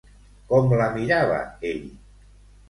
Com la mirava ell?